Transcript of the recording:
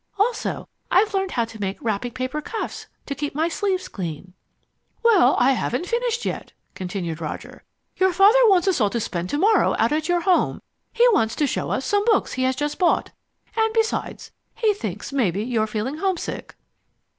Also I've learned how to make wrapping paper cuffs to keep my sleeves clean." "Well, I haven't finished yet," continued Roger. "Your father wants us all to spend to morrow out at your home. He wants to show us some books he has just bought, and besides he thinks maybe you're feeling homesick."